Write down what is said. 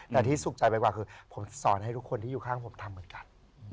แต่ที่สุขใจไปกว่าคือผมสอนให้ทุกคนที่อยู่ข้างผมทำเหมือนกัน